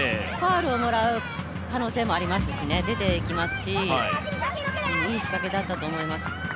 ファウルをもらう可能性もありますしね出ていきますし、いい仕掛けだったと思います。